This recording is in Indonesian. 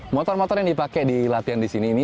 motor motor yang dipakai di latihan di sini ini